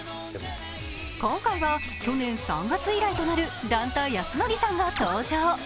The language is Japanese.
今回は、去年３月以来となる段田安則さんが登場。